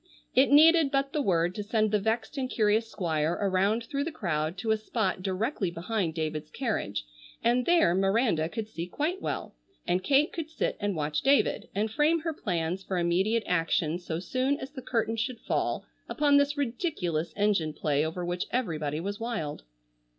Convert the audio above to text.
It needed but the word to send the vexed and curious Squire around through the crowd to a spot directly behind David's carriage, and there Miranda could see quite well, and Kate could sit and watch David and frame her plans for immediate action so soon as the curtain should fall upon this ridiculous engine play over which everybody was wild.